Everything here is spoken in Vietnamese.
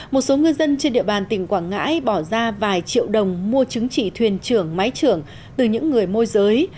một số ngư dân trên địa bàn tỉnh quảng ngãi bỏ ra vài triệu đồng mua chứng chỉ thuyền trưởng máy trưởng từ những người môi giới